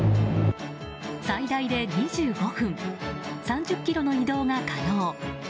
最大で２５分３０ｋｍの移動が可能。